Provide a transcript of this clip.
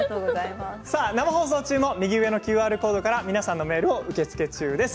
生放送中も右上のＱＲコードから皆さんのメールを受け付け中です。